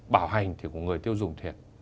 bảo hành thì của người tiêu dụng thiệt